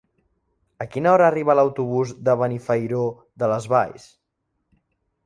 A quina hora arriba l'autobús de Benifairó de les Valls?